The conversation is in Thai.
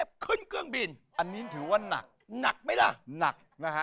ไม่เชื่ออย่ารบบลูก